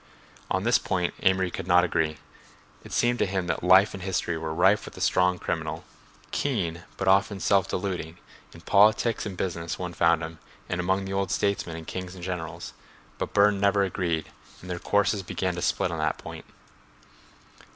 On this point Amory could not agree. It seemed to him that life and history were rife with the strong criminal, keen, but often self deluding; in politics and business one found him and among the old statesmen and kings and generals; but Burne never agreed and their courses began to split on that point.